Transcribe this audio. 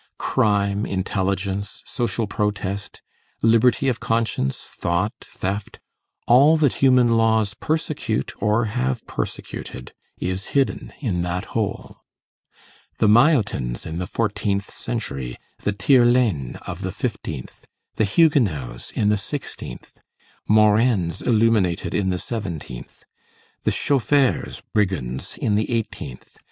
Crime, intelligence, social protest, liberty of conscience, thought, theft, all that human laws persecute or have persecuted, is hidden in that hole; the maillotins in the fourteenth century, the tire laine of the fifteenth, the Huguenots in the sixteenth, Morin's illuminated in the seventeenth, the chauffeurs [brigands] in the eighteenth.